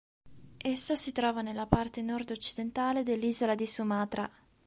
Essa si trova nella parte nord-occidentale dell'isola di Sumatra.